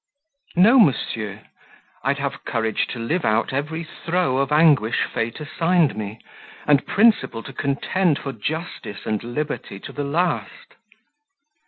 "No, monsieur. I'd have courage to live out every throe of anguish fate assigned me, and principle to contend for justice and liberty to the last."